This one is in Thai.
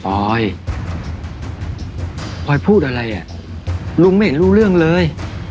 ออยปอยพูดอะไรอ่ะลุงไม่เห็นรู้เรื่องเลย